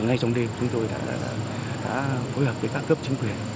ngay trong đêm chúng tôi đã hối hợp với các cướp chính quyền